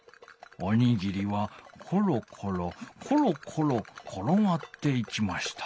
おにぎりはころころころころころがっていきました」。